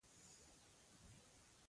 ولې له ساینسي بهیر سره ځان عیار نه کړو.